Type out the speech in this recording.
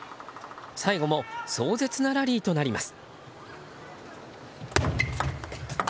最後も壮絶なラリーとなります。